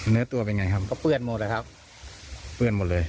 เนื้อตัวเป็นไงครับก็เปื้อนหมดแหละครับเปื้อนหมดเลย